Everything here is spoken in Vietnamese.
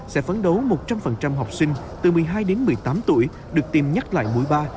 sẽ phấn đấu một trăm linh học sinh từ một mươi hai đến một mươi tám tuổi được tìm nhắc lại mũi ba